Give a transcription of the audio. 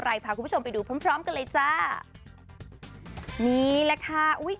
พาคุณผู้ชมไปดูพร้อมพร้อมกันเลยจ้านี่แหละค่ะอุ้ย